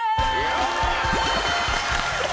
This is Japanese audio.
よっ！